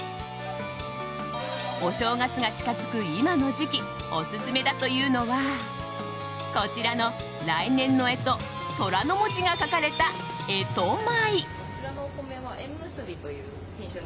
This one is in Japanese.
お正月が近づく今の時期オススメだというのはこちらの来年の干支「寅」の文字が書かれた干支米。